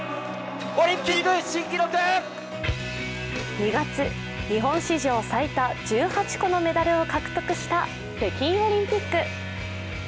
２月、日本史上最多１８個のメダルを獲得した北京オリンピック。